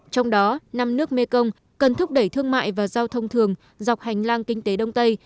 trong đó năm nước mekong cần thúc đẩy thương mại và giao thông thường dọc hành lang kinh tế đông tây